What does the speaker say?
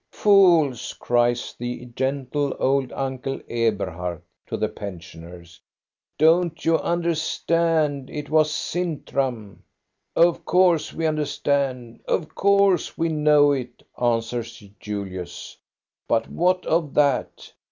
"Fools," cries the gentle old Uncle Eberhard to the pensioners. "Don't you understand it was Sintram ?"" Of course we understand ; of course we know it," answers Julius; "but what of that?